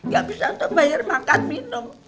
gak bisa untuk bayar makan minum